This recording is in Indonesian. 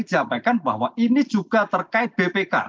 disampaikan bahwa ini juga terkait bpk